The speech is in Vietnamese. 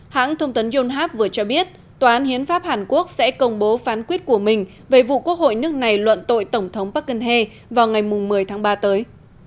hãng thông tấn yonhap vừa cho biết tòa án hiến pháp hàn quốc sẽ công bố phán quyết của mình về vụ quốc hội nước này luận tội tổng thống bắc cân he vào ngày một mươi tháng ba tới